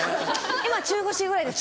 今中腰ぐらいです。